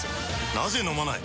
なぜ飲まない？